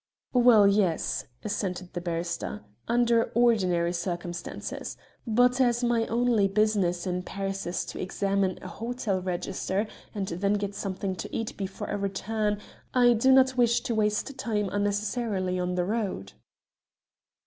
"Well, yes," assented the barrister, "under ordinary circumstances, but as my only business in Paris is to examine an hotel register and then get something to eat before I return, I do not wish to waste time unnecessarily on the road."